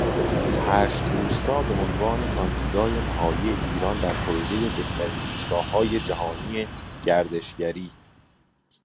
هشت روستا به عنوان کاندیدای نهایی ایران در پروژه بهترین روستاهای جهانی گردشگری